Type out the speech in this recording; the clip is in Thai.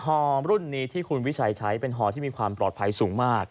ฮอรุ่นนี้ที่คุณวิชัยใช้เป็นฮอที่มีความปลอดภัยสูงมาก